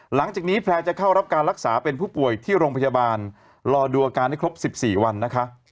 หลังจากนี้แพลร์จะเข้ารับการรักษาเป็นผู้ป่วยที่โรงพยาบาลรอดูอาการให้ครบ๑๔วันนะคะ